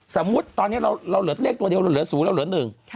สมมุติตอนนี้เราเหลือเลขตัวเดียวเราเหลือ๐เราเหลือหนึ่ง